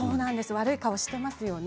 悪い顔していますよね。